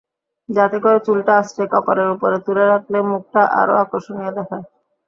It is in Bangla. যাতে করে চুলটা আঁচড়ে কপালের ওপরে তুলে রাখলে মুখটা আরও আকর্ষণীয় দেখায়।